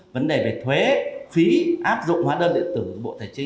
vấn đề về thuế phí áp dụng hóa đơn điện tử bộ tài chính